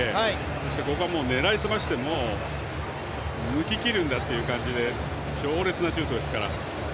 そして、ここは狙い澄まして抜ききるんだという感じで強烈なシュートですから。